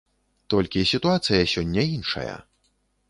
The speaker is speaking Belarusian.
Толькі сітуацыя сёння іншая.